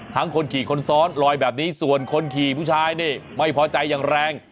คนขี่คนซ้อนลอยแบบนี้ส่วนคนขี่ผู้ชายนี่ไม่พอใจอย่างแรง